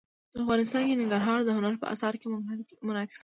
افغانستان کې ننګرهار د هنر په اثار کې منعکس کېږي.